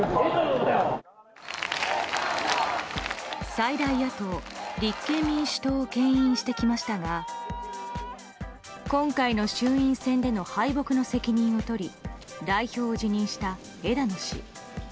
最大野党、立憲民主党をけん引してきましたが今回の衆院選での敗北の責任を取り代表を辞任した枝野氏。